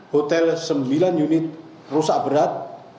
hotel sembilan unit rusak berat